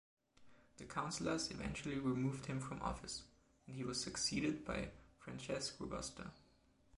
The counsellors eventually removed him from office, and he was succeeded by Francesc Robuster.